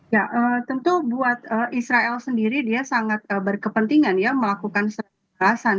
ya tentu buat israel sendiri dia sangat berkepentingan ya melakukan kekerasan